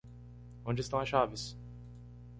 Onde estão as chaves?